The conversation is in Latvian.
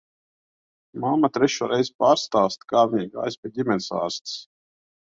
Mamma trešo reizi pārstāsta, kā viņai gājis pie ģimenes ārstes.